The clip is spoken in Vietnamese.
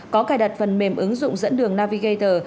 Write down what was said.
có cài đặt phần mềm ứng dụng dẫn đường navigator